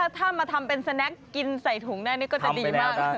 ถ้ามาทำเป็นสแนคกินใส่ถุงแน่นี่ก็จะดีมาก